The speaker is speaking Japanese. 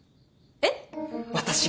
えっ？